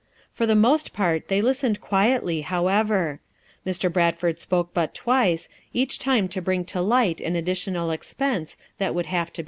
For the most part they listened quietly however; Mr. Bradford spoke but twice, each time to bring to light an additional expense that would have to be met.